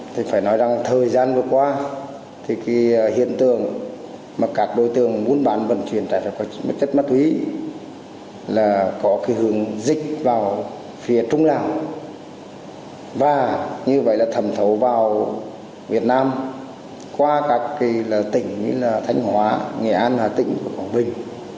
thời gian vừa qua hiện tượng các đối tượng muốn bán vận chuyển chất má túy là có hướng dịch vào phía trung lào và thẩm thấu vào việt nam qua các tỉnh như thanh hóa nghệ an hà tĩnh quảng bình